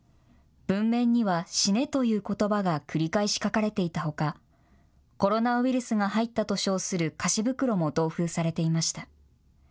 文面には死ねということばが繰り返し書かれていたほかコロナウイルスが入ったと称する菓子袋も同封されていました。